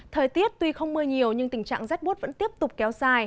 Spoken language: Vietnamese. thời tiết tuy không mưa nhiều nhưng tình trạng rét bút vẫn tiếp tục kéo dài